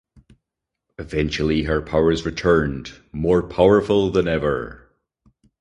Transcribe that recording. Eventually her powers returned, more powerful than ever.